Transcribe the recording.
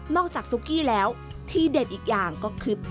นอกจากซู๊กี้แล้วที่เด็กอีกอย่างก็คือติ่มซำ